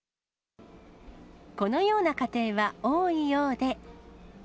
このような家庭は多いようで。